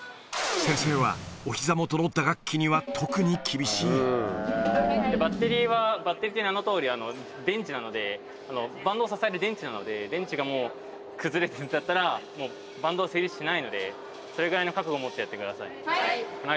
先生は、おひざ元の打楽器にバッテリーは、バッテリーって名のとおり、電池なので、バンドを支える電池なので、電池がもう崩れちゃったら、もう、バンドは成立しないので、それぐらいの覚悟を持ってやってくださはい。